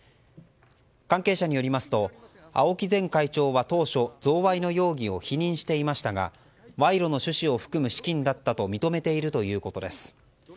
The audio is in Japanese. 関係者によりますと青木前会長は当初贈賄の容疑を否認していましたが賄賂の趣旨を含む資金だったと認めているということです。